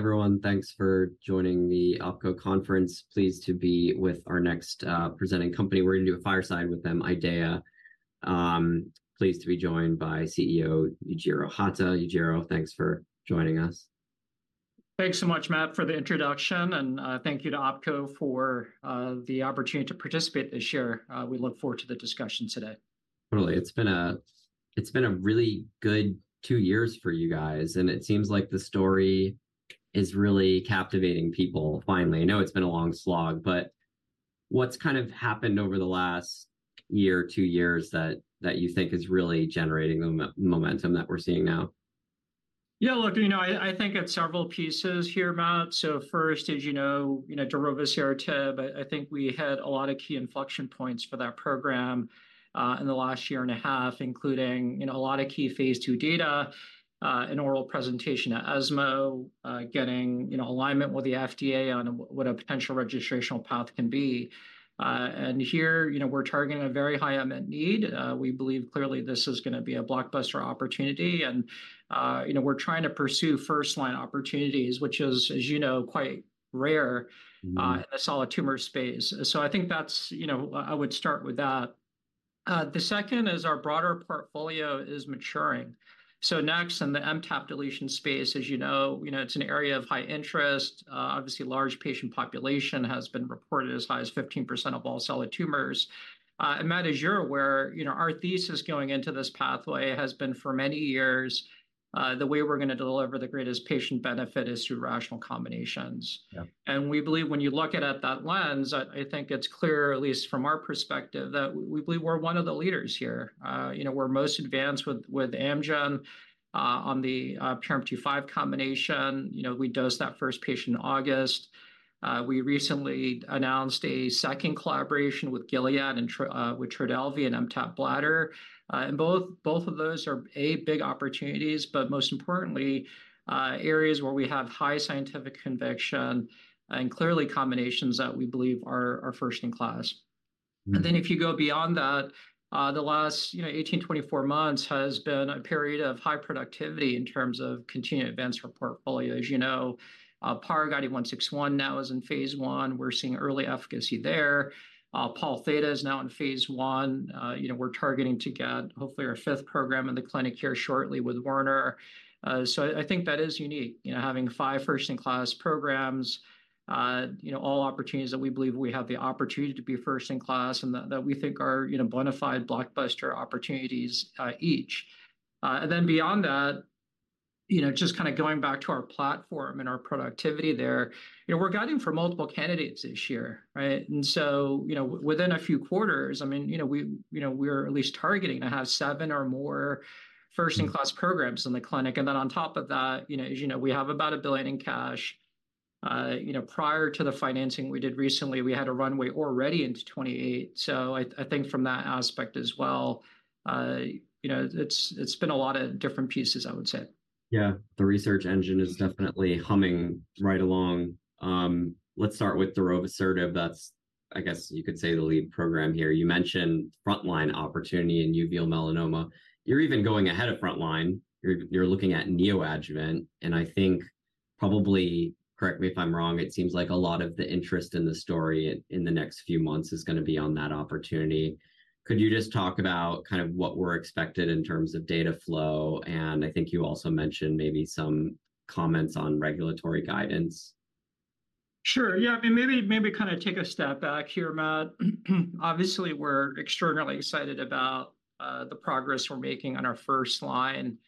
Hey, everyone. Thanks for joining the Oppenheimer Conference. Pleased to be with our next presenting company. We're gonna do a fireside with them, IDEAYA. Pleased to be joined by CEO Yujiro Hata. Yujiro, thanks for joining us. Thanks so much, Matt, for the introduction, and thank you to Oppenheimer for the opportunity to participate this year. We look forward to the discussion today. Totally. It's been a really good two years for you guys, and it seems like the story is really captivating people finally. I know it's been a long slog, but what's kind of happened over the last year, two years, that you think is really generating the momentum that we're seeing now? Yeah, look, you know, I think it's several pieces here, Matt. So first, as you know, you know, darovasertib, I think we had a lot of key inflection points for that program in the last year and a half, including, you know, a lot of key phase II data, an oral presentation at ESMO, getting, you know, alignment with the FDA on what a potential registrational path can be. And here, you know, we're targeting a very high unmet need. We believe, clearly, this is gonna be a blockbuster opportunity, and, you know, we're trying to pursue first-line opportunities, which is, as you know, quite rare- Mm-hmm.... in the solid tumor space. So I think that's, you know, I would start with that. The second is our broader portfolio is maturing. So next, in the MTAP deletion space, as you know, you know, it's an area of high interest. Obviously, large patient population has been reported as high as 15% of all solid tumors. And Matt, as you're aware, you know, our thesis going into this pathway has been, for many years, the way we're gonna deliver the greatest patient benefit is through rational combinations. Yeah. And we believe when you look at it at that lens, I think it's clear, at least from our perspective, that we believe we're one of the leaders here. You know, we're most advanced with Amgen on the PRMT5 combination. You know, we dosed that first patient in August. We recently announced a second collaboration with Gilead and with Trodelvy and MTAP bladder. And both of those are big opportunities, but most importantly, areas where we have high scientific conviction, and clearly combinations that we believe are first in class. Mm-hmm. And then if you go beyond that, the last, you know, 18-24 months has been a period of high productivity in terms of continued advance for portfolio. As you know, PARG inhibitor 161 now is in phase I. We're seeing early efficacy there. Pol Theta is now in phase I. You know, we're targeting to get, hopefully, our fifth program in the clinic here shortly with Werner. So I think that is unique, you know, having five first-in-class programs, you know, all opportunities that we believe we have the opportunity to be first in class, and that we think are, you know, bona fide blockbuster opportunities, each. And then beyond that, you know, just kind of going back to our platform and our productivity there, you know, we're guiding for multiple candidates this year, right? And so, you know, within a few quarters, I mean, you know, we, you know, we're at least targeting to have 7 or more first-in-class- Mm.... programs in the clinic. And then on top of that, you know, as you know, we have about $1 billion in cash. You know, prior to the financing we did recently, we had a runway already into 2028. So I think from that aspect as well, you know, it's been a lot of different pieces, I would say. Yeah, the research engine is definitely humming right along. Let's start with darovasertib. That's, I guess you could say, the lead program here. You mentioned front-line opportunity in uveal melanoma. You're even going ahead of front line. You're, you're looking at neoadjuvant, and I think probably, correct me if I'm wrong, it seems like a lot of the interest in the story in, in the next few months is gonna be on that opportunity. Could you just talk about kind of what we're expected in terms of data flow? And I think you also mentioned maybe some comments on regulatory guidance. Sure, yeah. I mean, maybe, maybe kind of take a step back here, Matt. Obviously, we're extraordinarily excited about the progress we're making on our first line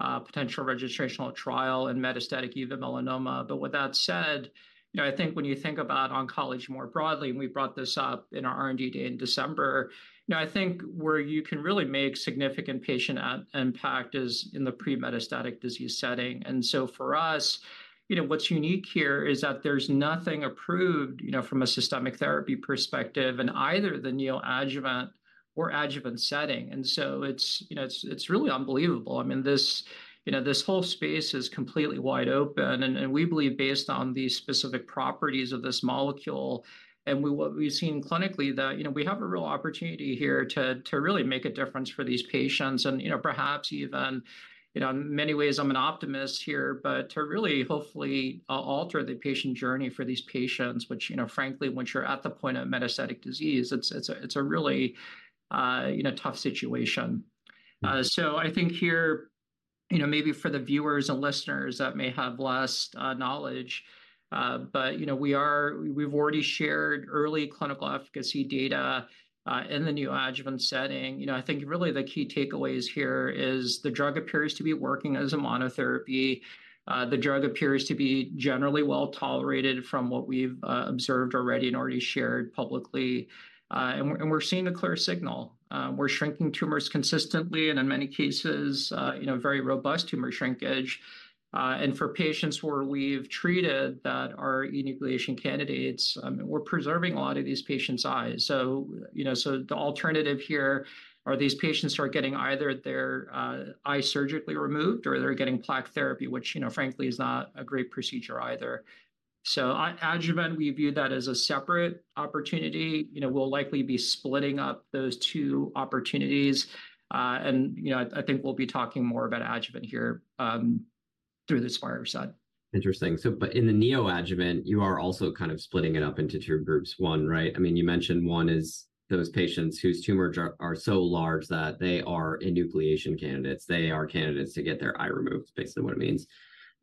potential registrational trial in metastatic uveal melanoma. But with that said, you know, I think when you think about oncology more broadly, and we brought this up in our R&D day in December, you know, I think where you can really make significant patient impact is in the pre-metastatic disease setting. And so for us, you know, what's unique here is that there's nothing approved, you know, from a systemic therapy perspective in either the neoadjuvant or adjuvant setting. And so it's, you know, it's, it's really unbelievable. I mean, this, you know, this whole space is completely wide open, and, and we believe based on the specific properties of this molecule, and we... What we've seen clinically, that, you know, we have a real opportunity here to really make a difference for these patients. And, you know, perhaps even, you know, in many ways, I'm an optimist here, but to really, hopefully, alter the patient journey for these patients, which, you know, frankly, once you're at the point of metastatic disease, it's a really tough situation. Mm. So I think here, you know, maybe for the viewers and listeners that may have less knowledge, but, you know, we've already shared early clinical efficacy data in the neoadjuvant setting. You know, I think really the key takeaways here is the drug appears to be working as a monotherapy. The drug appears to be generally well-tolerated from what we've observed already and already shared publicly, and we're seeing a clear signal. We're shrinking tumors consistently, and in many cases, you know, very robust tumor shrinkage. And for patients where we've treated that are enucleation candidates, we're preserving a lot of these patients' eyes. So, you know, so the alternative here are these patients start getting either their eye surgically removed, or they're getting plaque therapy, which, you know, frankly, is not a great procedure either. So on adjuvant, we view that as a separate opportunity. You know, we'll likely be splitting up those two opportunities, and, you know, I, I think we'll be talking more about adjuvant here, through this fireside. Interesting. So but in the neoadjuvant, you are also kind of splitting it up into two groups. One, right, I mean, you mentioned one is those patients whose tumors are so large that they are enucleation candidates. They are candidates to get their eye removed, basically what it means.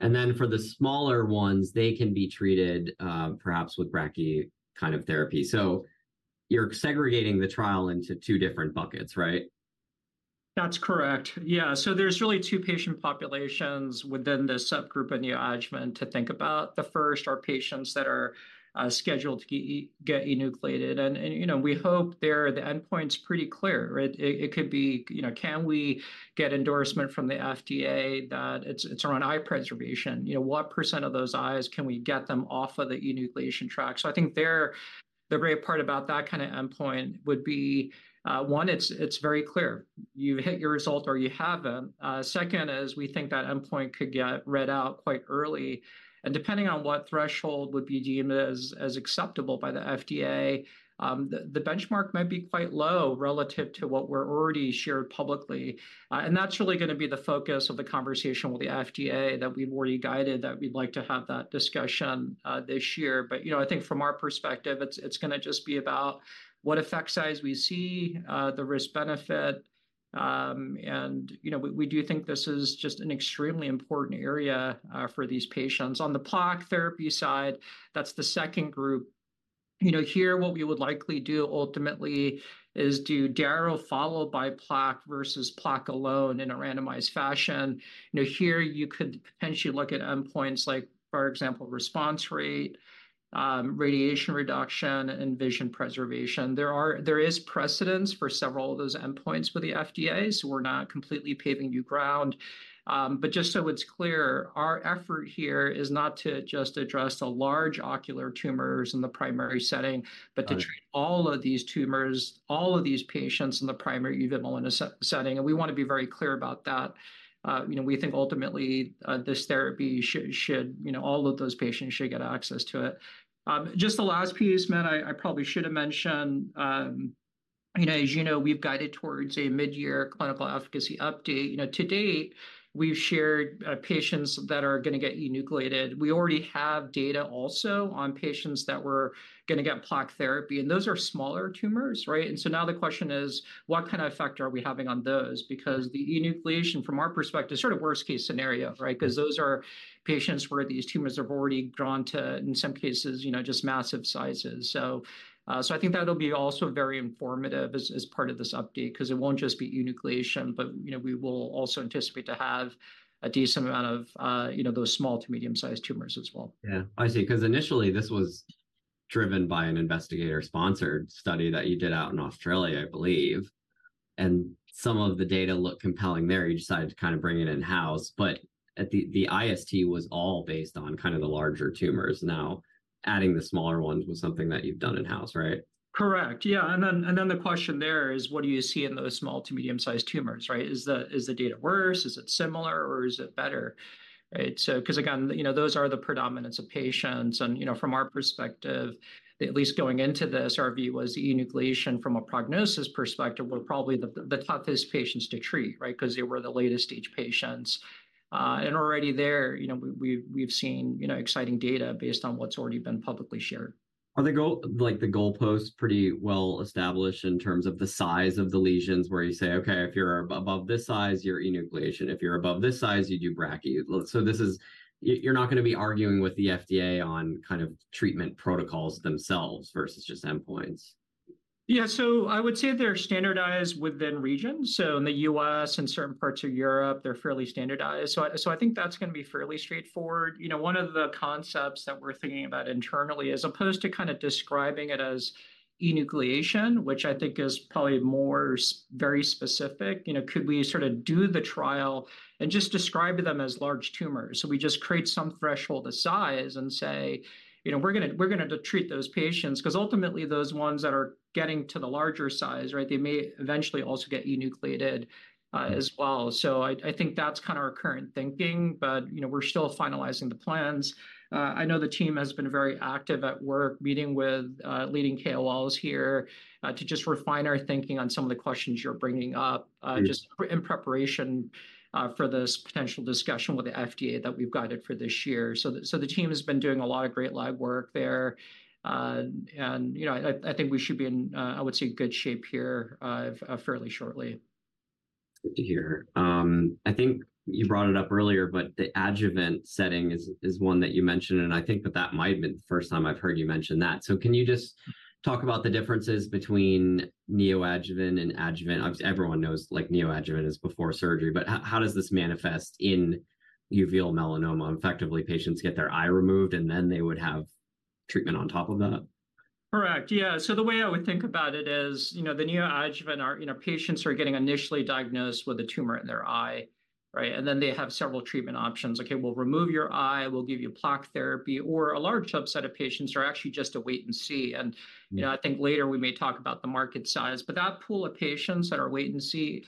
And then for the smaller ones, they can be treated, perhaps with brachytherapy. So you're segregating the trial into two different buckets, right? That's correct. Yeah, so there's really two patient populations within the subgroup of neoadjuvant to think about. The first are patients that are scheduled to get enucleated, and, you know, we hope there, the endpoint's pretty clear, right? It could be, you know, can we get endorsement from the FDA that it's around eye preservation? You know, what % of those eyes can we get them off of the enucleation track? So I think there, the great part about that kind of endpoint would be, one, it's very clear. You hit your result or you haven't. Second is we think that endpoint could get read out quite early, and depending on what threshold would be deemed as acceptable by the FDA, the benchmark might be quite low relative to what were already shared publicly. And that's really gonna be the focus of the conversation with the FDA, that we've already guided, that we'd like to have that discussion this year. But, you know, I think from our perspective, it's gonna just be about what effect size we see, the risk-benefit, and, you know, we do think this is just an extremely important area for these patients. On the plaque therapy side, that's the second group. You know, here, what we would likely do ultimately is do darovasertib, followed by plaque versus plaque alone in a randomized fashion. You know, here, you could potentially look at endpoints like, for example, response rate, radiation reduction, and vision preservation. There is precedence for several of those endpoints with the FDA, so we're not completely paving new ground. Just so it's clear, our effort here is not to just address the large ocular tumors in the primary setting- Right.... but to treat all of these tumors, all of these patients in the primary uveal melanoma setting, and we want to be very clear about that. You know, we think ultimately, this therapy should, should, you know, all of those patients should get access to it. Just the last piece, Matt, I, I probably should have mentioned, you know, as you know, we've guided towards a mid-year clinical efficacy update. You know, to date, we've shared, patients that are gonna get enucleated. We already have data also on patients that were gonna get plaque therapy, and those are smaller tumors, right? And so now the question is, what kind of effect are we having on those? Because the enucleation, from our perspective, is sort of worst-case scenario, right? Mm-hmm. 'Cause those are patients where these tumors have already grown to, in some cases, you know, just massive sizes. So, so I think that'll be also very informative as, as part of this update 'cause it won't just be enucleation, but, you know, we will also anticipate to have a decent amount of, you know, those small to medium-sized tumors as well. Yeah, I see. 'Cause initially, this was driven by an investigator-sponsored study that you did out in Australia, I believe, and some of the data looked compelling there. You decided to kind of bring it in-house, but at the IST was all based on kind of the larger tumors. Now, adding the smaller ones was something that you've done in-house, right? Correct. Yeah, and then, and then the question there is, what do you see in those small to medium-sized tumors, right? Is the, is the data worse, is it similar, or is it better, right? So, 'cause again, you know, those are the predominance of patients, and, you know, from our perspective, at least going into this, our view was enucleation from a prognosis perspective were probably the toughest patients to treat, right? 'Cause they were the latest-stage patients. And already there, you know, we've seen, you know, exciting data based on what's already been publicly shared. Are the goal—like, the goalposts pretty well established in terms of the size of the lesions, where you say, "Okay, if you're above this size, you're enucleation. If you're above this size, you do brachy"?" So this is... You're not gonna be arguing with the FDA on kind of treatment protocols themselves versus just endpoints. Yeah, so I would say they're standardized within regions. So in the U.S. and certain parts of Europe, they're fairly standardized. So I think that's gonna be fairly straightforward. You know, one of the concepts that we're thinking about internally, as opposed to kind of describing it as enucleation, which I think is probably more very specific, you know, could we sort of do the trial and just describe them as large tumors? So we just create some threshold to size and say, "You know, we're gonna treat those patients," 'cause ultimately, those ones that are getting to the larger size, right, they may eventually also get enucleated as well. So I think that's kind of our current thinking, but, you know, we're still finalizing the plans. I know the team has been very active at work, meeting with leading KOLs here to just refine our thinking on some of the questions you're bringing up- Mm-hmm.... just in preparation for this potential discussion with the FDA that we've guided for this year. So the team has been doing a lot of great legwork there. And, you know, I think we should be in, I would say, good shape here, fairly shortly. Good to hear. I think you brought it up earlier, but the adjuvant setting is, is one that you mentioned, and I think that that might have been the first time I've heard you mention that. So can you just talk about the differences between neoadjuvant and adjuvant? Obviously, everyone knows, like, neoadjuvant is before surgery, but how does this manifest in uveal melanoma? Effectively, patients get their eye removed, and then they would have treatment on top of that? Correct, yeah. So the way I would think about it is, you know, the neoadjuvant, our, you know, patients who are getting initially diagnosed with a tumor in their eye, right? And then they have several treatment options. "Okay, we'll remove your eye, we'll give you plaque therapy," or a large subset of patients are actually just a wait and see. And- Yeah.... you know, I think later we may talk about the market size, but that pool of patients that are wait and see,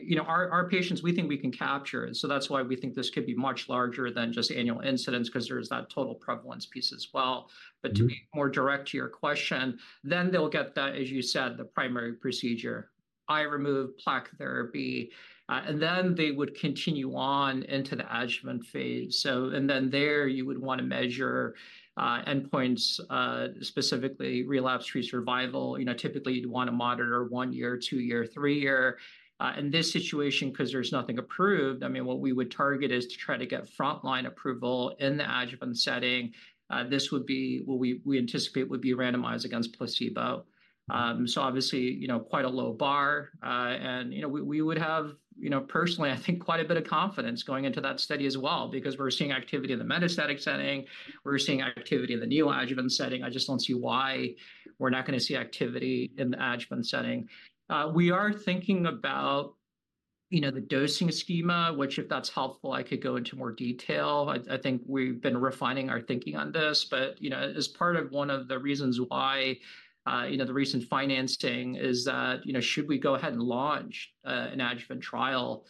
you know, our, our patients, we think we can capture. So that's why we think this could be much larger than just annual incidents 'cause there is that total prevalence piece as well. Mm. But to be more direct to your question, then they'll get that, as you said, the primary procedure, enucleation, plaque therapy, and then they would continue on into the adjuvant phase. So and then there, you would wanna measure endpoints, specifically relapse-free survival. You know, typically, you'd wanna monitor 1 year, 2 year, 3 year. In this situation, 'cause there's nothing approved, I mean, what we would target is to try to get front line approval in the adjuvant setting. This would be, what we anticipate would be randomized against placebo. So obviously, you know, quite a low bar. And, you know, we would have, you know, personally, I think, quite a bit of confidence going into that study as well, because we're seeing activity in the metastatic setting, we're seeing activity in the neoadjuvant setting. I just don't see why we're not gonna see activity in the adjuvant setting. We are thinking about, you know, the dosing schema, which, if that's helpful, I could go into more detail. I think we've been refining our thinking on this, but, you know, as part of one of the reasons why, you know, the recent financing is that, you know, should we go ahead and launch, an adjuvant trial,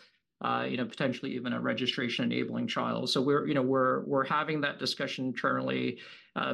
you know, potentially even a registration-enabling trial? So we're, you know, having that discussion internally.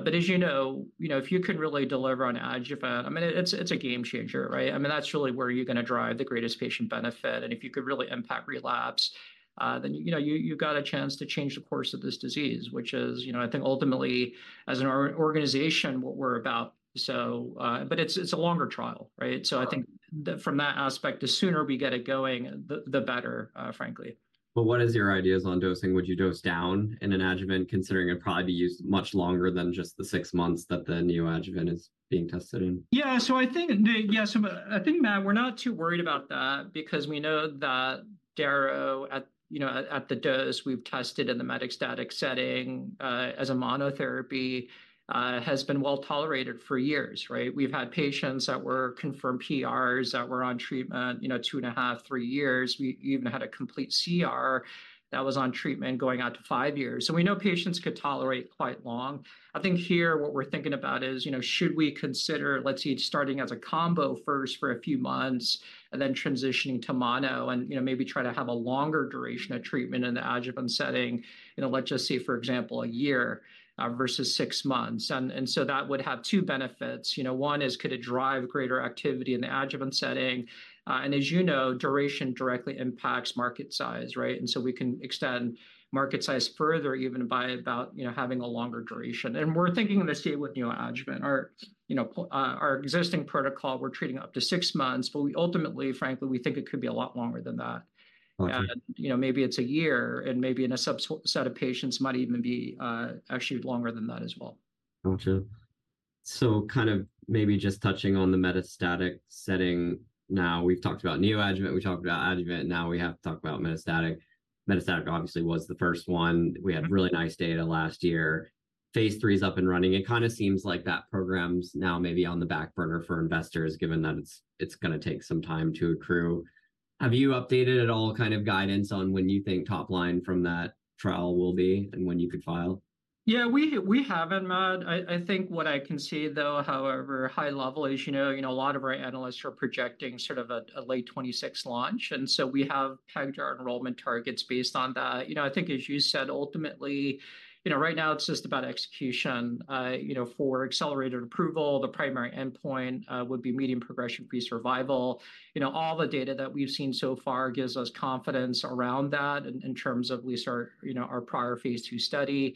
But as you know, you know, if you can really deliver on adjuvant, I mean, it's a game changer, right? I mean, that's really where you're gonna drive the greatest patient benefit. If you could really impact relapse, then, you know, you've got a chance to change the course of this disease, which is, you know, I think ultimately, as an organization, what we're about. But it's a longer trial, right? Sure. I think that from that aspect, the sooner we get it going, the better, frankly. What is your ideas on dosing? Would you dose down in an adjuvant, considering it'd probably be used much longer than just the six months that the neoadjuvant is being tested in? Yeah, so I think, Matt, we're not too worried about that because we know that daro at, you know, at the dose we've tested in the metastatic setting, as a monotherapy, has been well-tolerated for years, right? We've had patients that were confirmed PRs, that were on treatment, you know, 2.5, 3 years. We even had a complete CR that was on treatment going out to 5 years. So we know patients could tolerate quite long. I think here, what we're thinking about is, you know, should we consider, let's say, starting as a combo first for a few months, and then transitioning to mono and, you know, maybe try to have a longer duration of treatment in the adjuvant setting. You know, let's just say, for example, 1 year, versus 6 months. So that would have two benefits. You know, one is, could it drive greater activity in the adjuvant setting? And as you know, duration directly impacts market size, right? And so we can extend market size further even by about, you know, having a longer duration. And we're thinking the same with neoadjuvant. Our, you know, our existing protocol, we're treating up to six months, but we ultimately, frankly, we think it could be a lot longer than that. Okay. You know, maybe it's a year, and maybe in a subset of patients, might even be actually longer than that as well. Gotcha. So kind of maybe just touching on the metastatic setting now. We've talked about neoadjuvant, we've talked about adjuvant, now we have to talk about metastatic. Metastatic obviously was the first one. Yeah. We had really nice data last year. Phase III is up and running. It kind of seems like that program's now maybe on the back burner for investors, given that it's, it's gonna take some time to accrue. Have you updated at all kind of guidance on when you think top line from that trial will be and when you could file? Yeah, we haven't, Matt. I think what I can say though, however, high level, is you know, a lot of our analysts are projecting sort of a late 2026 launch, and so we have pegged our enrollment targets based on that. You know, I think as you said, ultimately, you know, right now it's just about execution. You know, for accelerated approval, the primary endpoint would be median progression-free survival. You know, all the data that we've seen so far gives us confidence around that in terms of at least our, you know, our prior phase II study.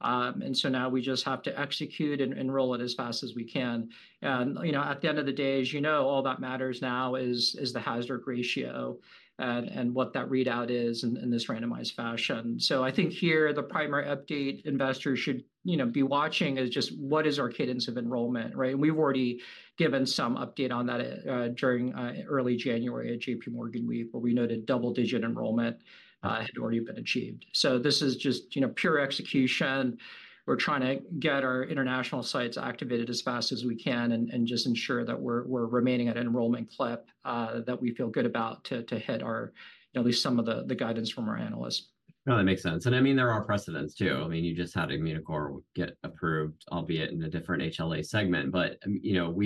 And so now we just have to execute and enroll it as fast as we can. You know, at the end of the day, as you know, all that matters now is the hazard ratio and what that readout is in this randomized fashion. So I think here, the primary update investors should, you know, be watching is just what is our cadence of enrollment, right? And we've already given some update on that during early January at JPMorgan week, where we noted double-digit enrollment had already been achieved. So this is just, you know, pure execution. We're trying to get our international sites activated as fast as we can and just ensure that we're remaining at enrollment clip that we feel good about to hit our, at least some of the guidance from our analysts. No, that makes sense. And I mean, there are precedents, too. I mean, you just had Immunocore get approved, albeit in a different HLA segment. But, you know,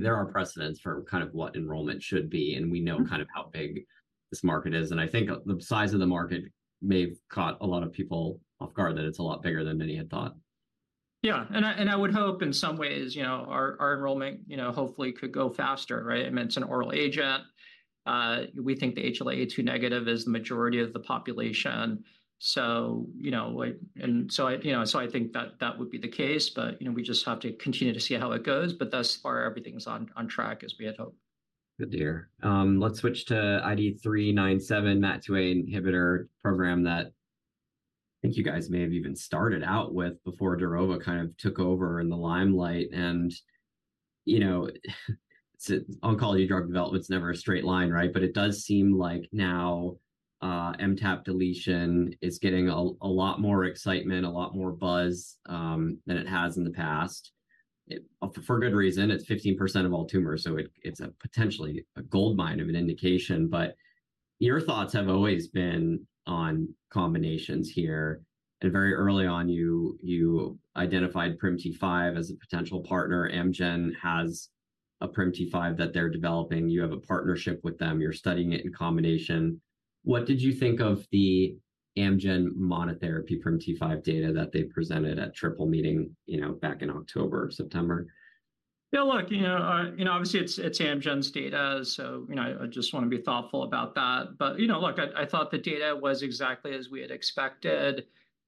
there are precedents for kind of what enrollment should be, and we know- Mm.... kind of how big this market is. I think the size of the market may have caught a lot of people off guard, that it's a lot bigger than many had thought. Yeah, and I, and I would hope in some ways, you know, our, our enrollment, you know, hopefully could go faster, right? I mean, it's an oral agent. We think the HLA-A2 negative is the majority of the population. So you know, like, and so I, you know, so I think that that would be the case, but, you know, we just have to continue to see how it goes. But thus far, everything's on, on track as we had hoped. Good to hear. Let's switch to IDE397, MAT2A inhibitor program that I think you guys may have even started out with before darovasertib kind of took over in the limelight. And, you know, so oncology drug development's never a straight line, right? But it does seem like now, MTAP deletion is getting a lot more excitement, a lot more buzz, than it has in the past. For good reason, it's 15% of all tumors, so it, it's a potentially a goldmine of an indication. But your thoughts have always been on combinations here, and very early on, you, you identified PRMT5 as a potential partner. Amgen has a PRMT5 that they're developing. You have a partnership with them. You're studying it in combination. What did you think of the Amgen monotherapy PRMT5 data that they presented at Triple Meeting, you know, back in October, September? Yeah, look, you know, you know, obviously it's, it's Amgen's data, so, you know, I just wanna be thoughtful about that. But, you know, look, I, I thought the data was exactly as we had expected.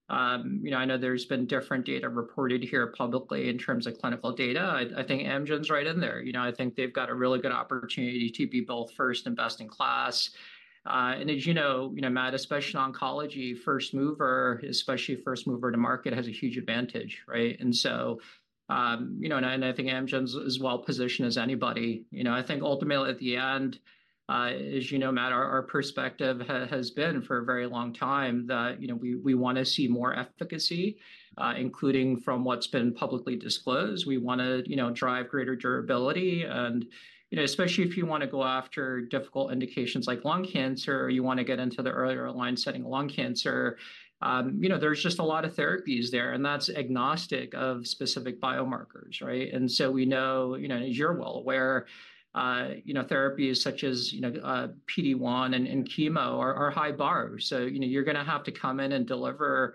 You know, I know there's been different data reported here publicly in terms of clinical data. I, I think Amgen's right in there. You know, I think they've got a really good opportunity to be both first and best-in-class. And as you know, you know, Matt, especially in oncology, first mover, especially first mover to market, has a huge advantage, right? And so, you know, and I, and I think Amgen's as well-positioned as anybody. You know, I think ultimately at the end, as you know, Matt, our, our perspective has been for a very long time that, you know, we, we wanna see more efficacy, including from what's been publicly disclosed. We wanna, you know, drive greater durability. And, you know, especially if you wanna go after difficult indications like lung cancer, or you wanna get into the earlier line setting lung cancer, you know, there's just a lot of therapies there, and that's agnostic of specific biomarkers, right? And so we know, you know, and as you're well aware, you know, therapies such as, you know, PD-1 and, and chemo are, are high bars. So, you know, you're gonna have to come in and deliver a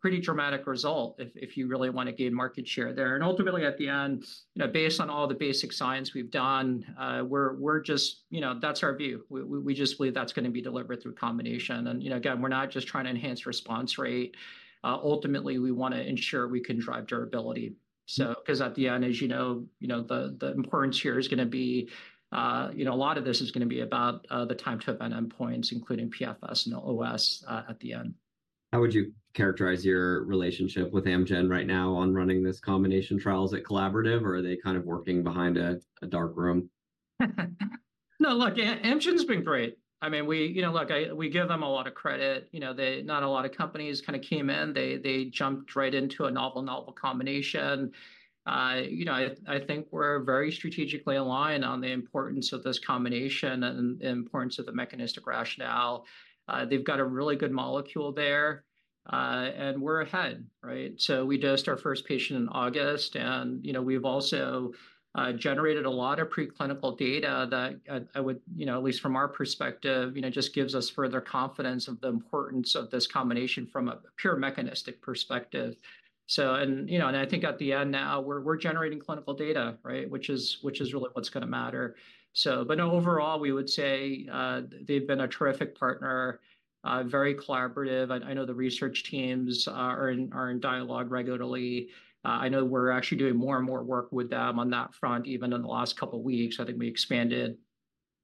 pretty dramatic result if, if you really wanna gain market share there. Ultimately at the end, you know, based on all the basic science we've done, we're just... You know, that's our view. We just believe that's gonna be delivered through combination. And, you know, again, we're not just trying to enhance response rate. Ultimately, we wanna ensure we can drive durability. So, 'cause at the end, as you know, you know, the importance here is gonna be, you know, a lot of this is gonna be about the time to event endpoints, including PFS and OS, at the end. How would you characterize your relationship with Amgen right now on running this combination trials? Is it collaborative, or are they kind of working behind a dark room? No, look, Amgen's been great. I mean, we... You know, look, I, we give them a lot of credit. You know, they, not a lot of companies kinda came in. They jumped right into a novel combination. You know, I think we're very strategically aligned on the importance of this combination and the importance of the mechanistic rationale. They've got a really good molecule there, and we're ahead, right? So we dosed our first patient in August, and, you know, we've also generated a lot of preclinical data that I would, you know, at least from our perspective, you know, just gives us further confidence of the importance of this combination from a pure mechanistic perspective. So and, you know, and I think at the end now, we're generating clinical data, right? Which is, which is really what's gonna matter. So, but no, overall, we would say, they've been a terrific partner, very collaborative. I, I know the research teams are in, are in dialogue regularly. I know we're actually doing more and more work with them on that front, even in the last couple of weeks. I think we expanded,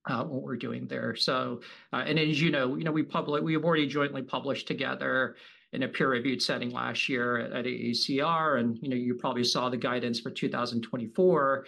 what we're doing there. So, and as you know, you know, we have already jointly published together in a peer-reviewed setting last year at AACR, and, you know, you probably saw the guidance for 2024,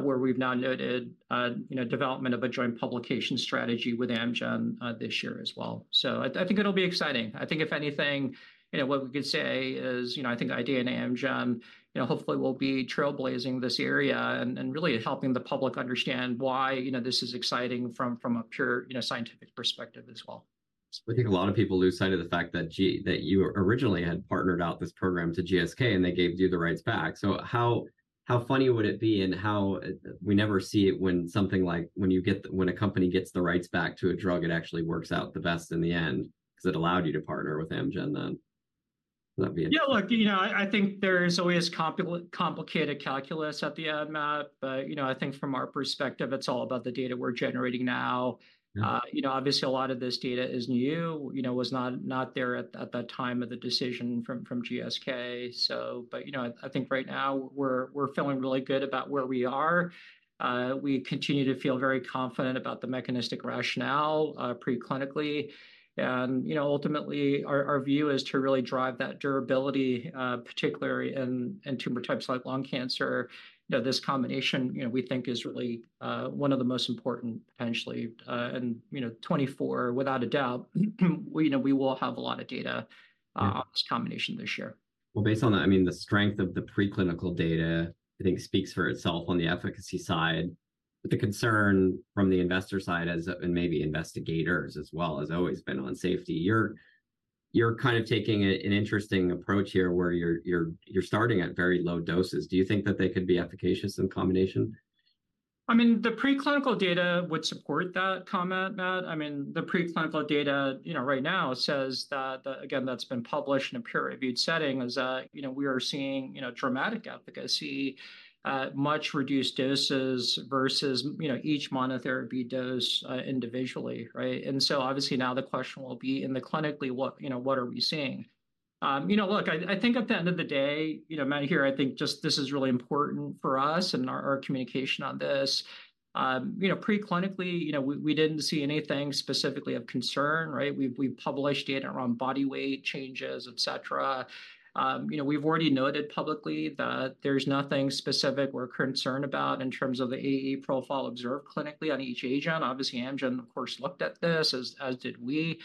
where we've now noted, you know, development of a joint publication strategy with Amgen, this year as well. So I, I think it'll be exciting. I think if anything, you know, what we could say is, you know, I think IDEAYA and Amgen, you know, hopefully will be trailblazing this area and, and really helping the public understand why, you know, this is exciting from, from a pure, you know, scientific perspective as well. I think a lot of people lose sight of the fact that GSK that you originally had partnered out this program to GSK, and they gave you the rights back. So how, how funny would it be, and how... We never see it when something like, when you get, when a company gets the rights back to a drug, it actually works out the best in the end, 'cause it allowed you to partner with Amgen then. Would that be it? Yeah, look, you know, I think there's always complicated calculus at the end, Matt. But, you know, I think from our perspective, it's all about the data we're generating now. Mm-hmm. You know, obviously a lot of this data is new, you know, was not there at the time of the decision from GSK. But, you know, I think right now we're feeling really good about where we are. We continue to feel very confident about the mechanistic rationale, preclinically. And, you know, ultimately, our view is to really drive that durability, particularly in tumor types like lung cancer. You know, this combination, you know, we think is really one of the most important potentially, and, you know, 2024, without a doubt, we know we will have a lot of data- Yeah.... on this combination this year. Well, based on that, I mean, the strength of the preclinical data, I think speaks for itself on the efficacy side. But the concern from the investor side, as and maybe investigators as well, has always been on safety. You're kind of taking an interesting approach here, where you're starting at very low doses. Do you think that they could be efficacious in combination? I mean, the preclinical data would support that comment, Matt. I mean, the preclinical data, you know, right now says that the... Again, that's been published in a peer-reviewed setting, is that, you know, we are seeing, you know, dramatic efficacy, much-reduced doses versus, you know, each monotherapy dose, individually, right? And so obviously now the question will be, in the clinically, what, you know, what are we seeing? You know, look, I, I think at the end of the day, you know, Matt, here, I think just this is really important for us and our, our communication on this. You know, preclinically, you know, we, we didn't see anything specifically of concern, right? We've, we've published data around body weight changes, et cetera. You know, we've already noted publicly that there's nothing specific we're concerned about in terms of the AE profile observed clinically on each agent. Obviously, Amgen, of course, looked at this, as did we.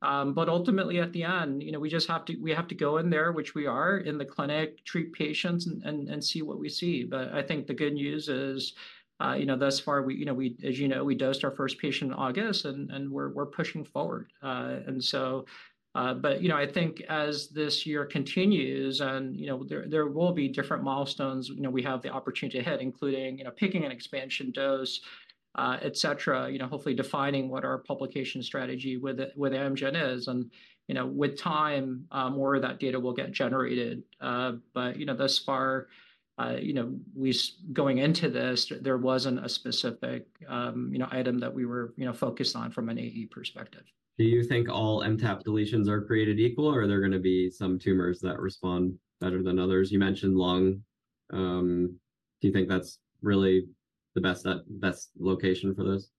But ultimately at the end, you know, we just have to, we have to go in there, which we are, in the clinic, treat patients, and see what we see. But I think the good news is, you know, thus far, we, you know, we, as you know, we dosed our first patient in August, and we're, we're pushing forward. And so, but, you know, I think as this year continues and, you know, there, there will be different milestones, you know, we have the opportunity ahead, including, you know, picking an expansion dose, et cetera. You know, hopefully defining what our publication strategy with Amgen is. And, you know, with time, more of that data will get generated. But, you know, thus far, you know, going into this, there wasn't a specific, you know, item that we were, you know, focused on from an AE perspective. Do you think all MTAP deletions are created equal, or are there going to be some tumors that respond better than others? You mentioned lung. Do you think that's really the best, best location for this?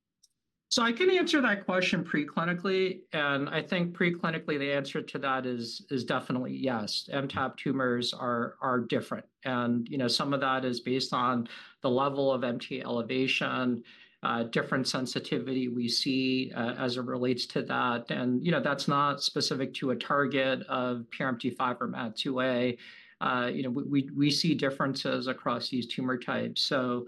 So I can answer that question pre-clinically, and I think pre-clinically, the answer to that is definitely yes. MTAP tumors are different. And, you know, some of that is based on the level of MT elevation, different sensitivity we see, as it relates to that. And, you know, that's not specific to a target of PRMT5 or MAT2A. You know, we see differences across these tumor types. So,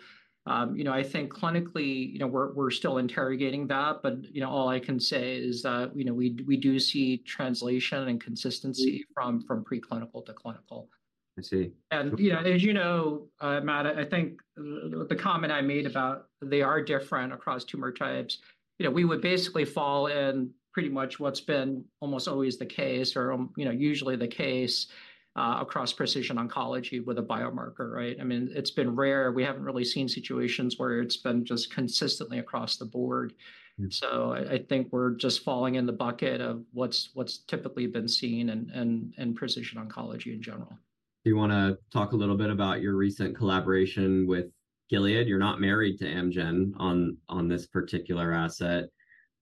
you know, I think clinically, you know, we're still interrogating that. But, you know, all I can say is that, you know, we do see translation and consistency from pre-clinical to clinical. I see. You know, as you know, Matt, I think the comment I made about they are different across tumor types, you know, we would basically fall in pretty much what's been almost always the case or, you know, usually the case, across precision oncology with a biomarker, right? I mean, it's been rare. We haven't really seen situations where it's been just consistently across the board. Mm. So, I think we're just falling in the bucket of what's typically been seen in precision oncology in general. Do you want to talk a little bit about your recent collaboration with Gilead? You're not married to Amgen on this particular asset.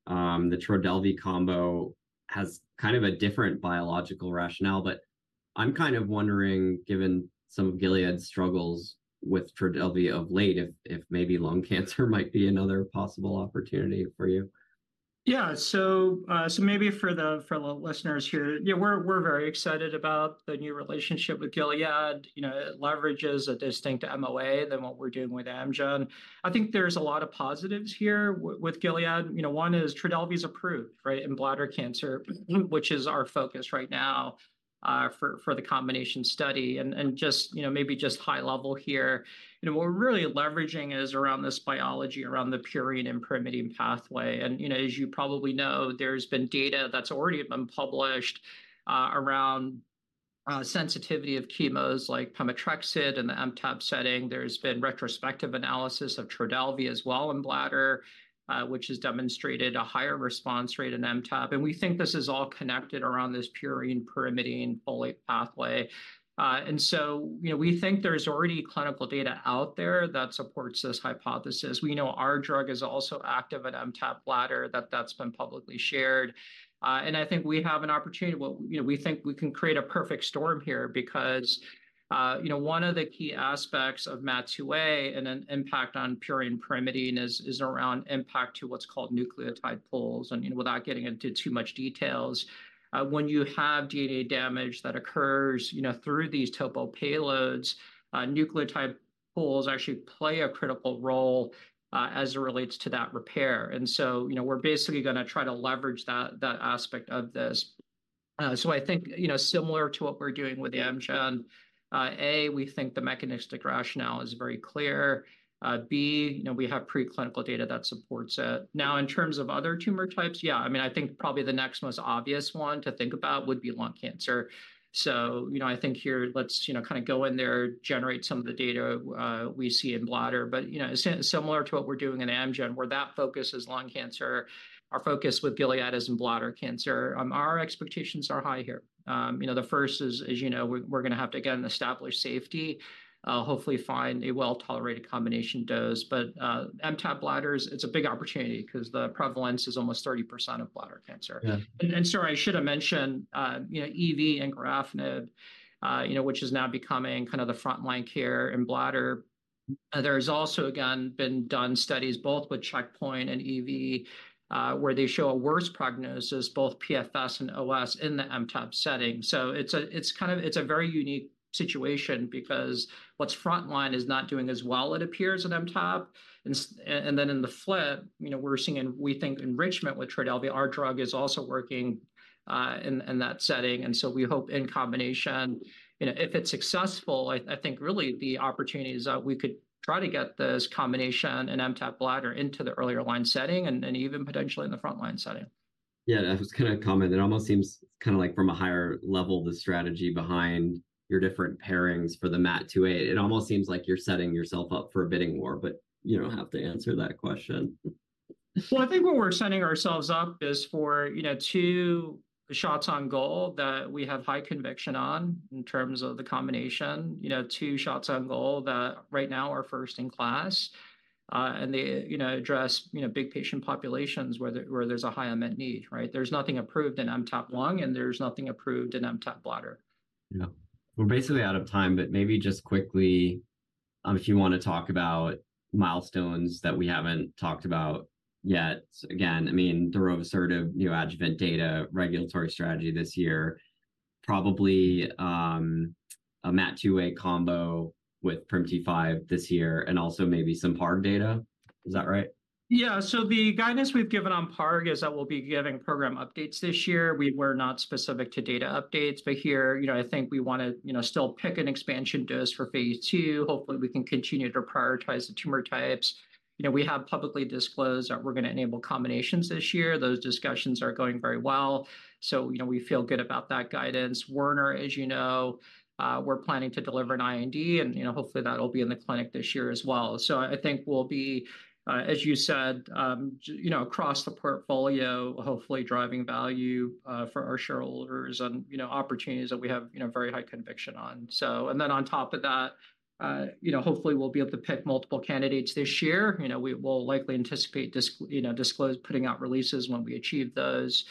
The Trodelvy combo has kind of a different biological rationale, but I'm kind of wondering, given some of Gilead's struggles with Trodelvy of late, if maybe lung cancer might be another possible opportunity for you. Yeah. So, so maybe for the listeners here, yeah, we're very excited about the new relationship with Gilead. You know, it leverages a distinct MOA than what we're doing with Amgen. I think there's a lot of positives here with Gilead. You know, one is Trodelvy is approved, right, in bladder cancer, which is our focus right now, for the combination study. And just, you know, maybe just high level here, you know, what we're really leveraging is around this biology, around the purine and pyrimidine pathway. And, you know, as you probably know, there's been data that's already been published, around sensitivity of chemos, like pemetrexed in the MTAP setting. There's been retrospective analysis of Trodelvy as well in bladder, which has demonstrated a higher response rate in MTAP. And we think this is all connected around this purine, pyrimidine, folate pathway. And so, you know, we think there's already clinical data out there that supports this hypothesis. We know our drug is also active at MTAP bladder, that that's been publicly shared. And I think we have an opportunity... Well, you know, we think we can create a perfect storm here because, you know, one of the key aspects of MAT2A and an impact on purine and pyrimidine is, is around impact to what's called nucleotide pools. And, you know, without getting into too much details, when you have DNA damage that occurs, you know, through these topo payloads, nucleotide pools actually play a critical role, as it relates to that repair. And so, you know, we're basically gonna try to leverage that, that aspect of this. So I think, you know, similar to what we're doing with Amgen, A, we think the mechanistic rationale is very clear, B, you know, we have preclinical data that supports it. Now, in terms of other tumor types, yeah, I mean, I think probably the next most obvious one to think about would be lung cancer. So, you know, I think here, let's, you know, kind of go in there, generate some of the data we see in bladder. But, you know, similar to what we're doing in Amgen, where that focus is lung cancer, our focus with Gilead is in bladder cancer. Our expectations are high here. You know, the first is, as you know, we're gonna have to again establish safety, hopefully find a well-tolerated combination dose. But, MTAP bladder is a big opportunity because the prevalence is almost 30% of bladder cancer. Yeah. Sorry, I should have mentioned, you know, EV and pembro, you know, which is now becoming kind of the frontline care in bladder. There's also again been done studies both with checkpoint and EV, where they show a worse prognosis, both PFS and OS, in the MTAP setting. So it's kind of a very unique situation because what's frontline is not doing as well, it appears, in MTAP. And then in the flip, you know, we're seeing, we think, enrichment with Trodelvy. Our drug is also working in that setting, and so we hope in combination. You know, if it's successful, I think really the opportunity is that we could try to get this combination in MTAP bladder into the earlier line setting, and even potentially in the frontline setting. Yeah, I was gonna comment. It almost seems kind of like from a higher level, the strategy behind your different pairings for the MAT2A, it almost seems like you're setting yourself up for a bidding war, but you don't have to answer that question. Well, I think what we're setting ourselves up for is, you know, two shots on goal that we have high conviction on in terms of the combination, you know, two shots on goal that right now are first in class. And they, you know, address, you know, big patient populations where there, where there's a high unmet need, right? There's nothing approved in MTAP lung, and there's nothing approved in MTAP bladder. Yeah. We're basically out of time, but maybe just quickly, if you want to talk about milestones that we haven't talked about yet. Again, I mean, the darovasertib, neoadjuvant data, regulatory strategy this year, probably, a MAT2A combo with PRMT5 this year, and also maybe some PARP data. Is that right? Yeah. So the guidance we've given on PARP is that we'll be giving program updates this year. We were not specific to data updates, but here, you know, I think we want to, you know, still pick an expansion dose for phase II. Hopefully, we can continue to prioritize the tumor types. You know, we have publicly disclosed that we're gonna enable combinations this year. Those discussions are going very well, so, you know, we feel good about that guidance. Werner, as you know, we're planning to deliver an IND, and, you know, hopefully, that'll be in the clinic this year as well. So I think we'll be, as you said, you know, across the portfolio, hopefully driving value, for our shareholders and, you know, opportunities that we have, you know, very high conviction on. And then on top of that, you know, hopefully, we'll be able to pick multiple candidates this year. You know, we will likely, you know, disclose putting out releases when we achieve those,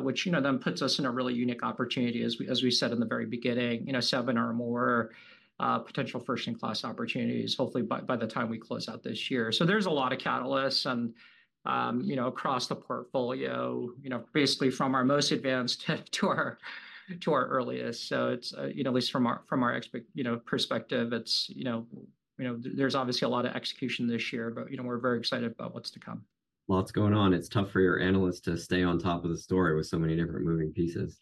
which, you know, then puts us in a really unique opportunity, as we said in the very beginning, you know, seven or more potential first-in-class opportunities, hopefully by the time we close out this year. So there's a lot of catalysts, and, you know, across the portfolio, you know, basically from our most advanced to our earliest. So it's, you know, at least from our perspective, it's, you know. You know, there's obviously a lot of execution this year, but, you know, we're very excited about what's to come. Lots going on. It's tough for your analysts to stay on top of the story with so many different moving pieces.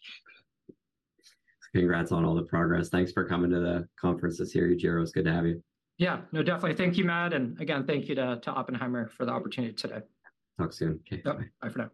Congrats on all the progress. Thanks for coming to the conference this year, Yujiro. It's good to have you. Yeah. No, definitely. Thank you, Matt, and again, thank you to Oppenheimer for the opportunity today. Talk soon. Okay, bye. Bye for now.